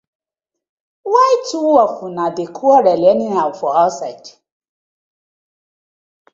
Why two of una dey quarel anyhow for ouside.